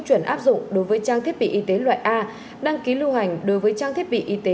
chuẩn áp dụng đối với trang thiết bị y tế loại a đăng ký lưu hành đối với trang thiết bị y tế